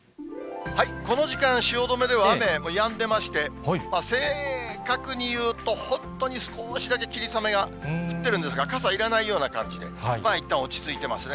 この時間、汐留では雨、やんでまして、正確に言うと、本当にすこーしだけ霧雨が降ってるんですが、傘いらないような感じで、いったん落ち着いてますね。